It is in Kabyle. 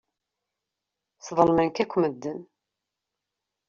Sḍelmen-k akk medden.